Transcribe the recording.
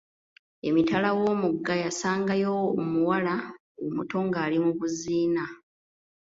Emitala w'omugga yasangayo omuwala omuto ng'ali mu buziina.